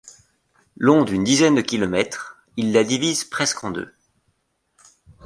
Long d'une dizaine de kilomètres, il la divise presque en deux.